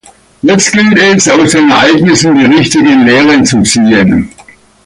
Jetzt gilt es, aus den Ereignissen die richtigen Lehren zu ziehen.